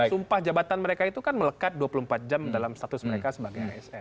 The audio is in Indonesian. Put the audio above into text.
sumpah jabatan mereka itu kan melekat dua puluh empat jam dalam status mereka sebagai asn